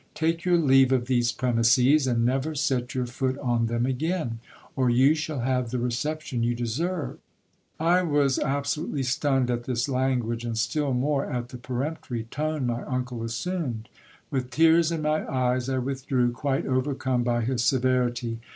Take your leave of these premises, and never set 62 GIL BLAS. your foot on them again, or you shall have the reception you deserve ! I was absolutely stunned at this language, and still more at the peremptory tone my uncle assumed. With tears in my eyes I withdrew, quite overcome by his se verity.